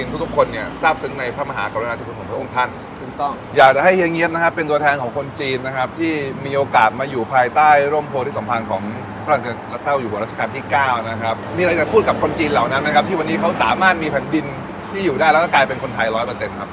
มีอะไรจะพูดกับคนจีนเหล่านั้นนะครับที่วันนี้เขาสามารถมีแผ่นดินที่อยู่ได้แล้วก็กลายเป็นคนไทยร้อยเปอร์เซ็นต์ครับ